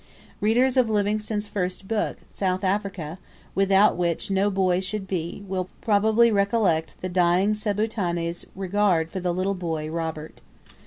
Readers of Livingstone's first book, 'South Africa,' without which no boy should be, will probably recollect the dying Sebituane's regard for the little boy "Robert."